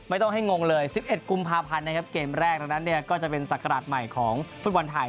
ไม่ต้องให้งงเลย๑๑กุมภาพันธ์นะครับเกมแรกดังนั้นเนี่ยก็จะเป็นศักราชใหม่ของฟุตบอลไทย